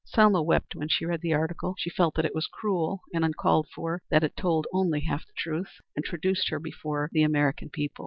Selma wept when she read the article. She felt that it was cruel and uncalled for; that it told only half the truth and traduced her before the American people.